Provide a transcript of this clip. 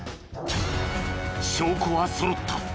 証拠はそろった。